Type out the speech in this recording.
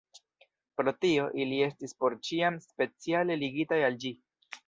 Pro tio, ili estis por ĉiam speciale ligitaj al ĝi.